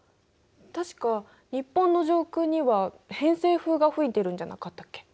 確か日本の上空には偏西風が吹いてるんじゃなかったっけ？